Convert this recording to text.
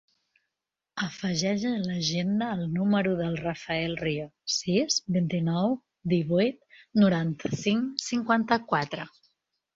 Afegeix a l'agenda el número del Rafael Rio: sis, vint-i-nou, divuit, noranta-cinc, cinquanta-quatre.